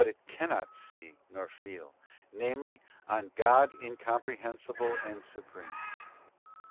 it cannot see nor feel—namely, on God Incomprehensible and Supreme.